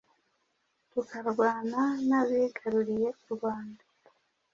tukarwana n’abigaruriye u Rwanda